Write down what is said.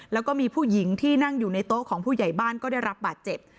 แล้วก็มีผู้หญิงที่นั่งอยู่ในโต๊ะของผู้ใหญ่บ้านก็ได้รับบาดเจ็บ